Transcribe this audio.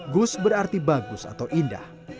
gus berarti bagus atau indah